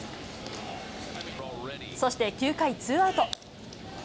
そして９回ツーアウト。